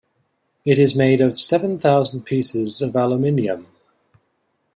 It is made of seven thousand pieces of aluminium.